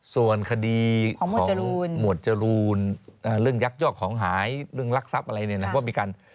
ส่วนคดีของหมวดจรูนเรื่องยักยอกของหายเรื่องรักทรัพย์อะไรเนี่ยนะว่ามีการ